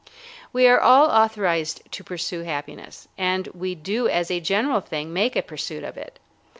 We are all authorized to pursue happiness, and we do as a general thing make a pursuit of it.